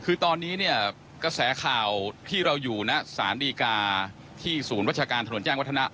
คือตอนนี้เนี่ยกระแสข่าวที่เราอยู่นะสารดีกาที่ศูนย์วัชการถนนแจ้งวัฒนะ